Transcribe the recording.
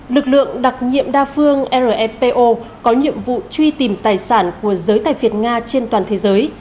lực lượng đặc nhiệm đa phương repo có nhiệm vụ truy tìm tài sản của giới tài việt nga trên toàn thế giới